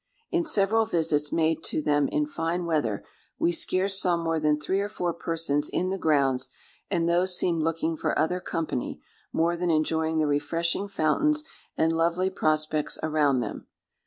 In several visits made to them in fine weather, we scarce saw more than three or four persons in the grounds; and those seemed looking for other company, more than enjoying the refreshing fountains and lovely prospects around them.